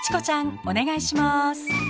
お願いします。